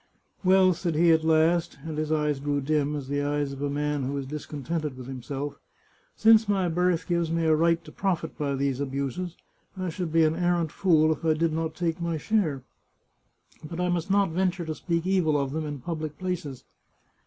" Well," said he at last, and his eyes grew dim as the eyes of a man who is discontented with himself, " since my birth gives me a right to profit by these abuses, I should be an arrant fool if I did not take my share; but I must not venture to speak evil of them in public places."